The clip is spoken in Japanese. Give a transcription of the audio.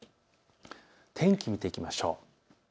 天気を見ていきましょう。